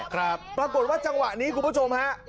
ครับปรากฏว่าจังหวะนี้คุณผู้ชมฮะ